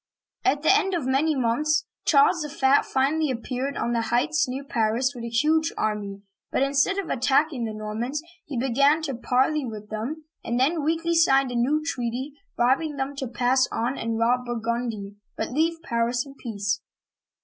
At the end of many months, Charles the Fat finally ap peared on the heights near Paris with a huge army ; but, instead of attacking the Normans, he began to parley with them, and then weakly signed a new treaty, bribing them to pass on and rob Burgundy, but leave Paris in peace.